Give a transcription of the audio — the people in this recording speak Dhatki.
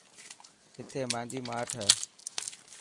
اٿي مانجي ماٺ هي.